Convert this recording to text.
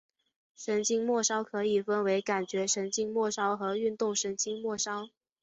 神经末梢可以分为感觉神经末梢和运动神经末梢。